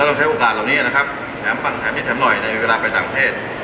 ต้องใช้โอกาสเหล่านี้อ่ะนะครับแข็งมิดแข็งหน่อยในเวลาไปต่างประเทศ